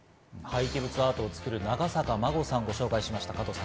廃棄物アートを作る長坂真護さん、ご紹介しました。